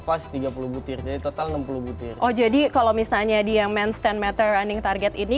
pasti tiga puluh butir jadi total enam puluh butir oh jadi kalau misalnya dia main stand meter running target ini